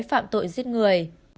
phạm tội giết người